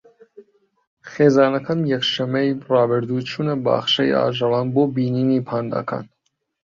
خێزانەکەم یەکشەممەی ڕابردوو چوونە باخچەی ئاژەڵان بۆ بینینی پانداکان.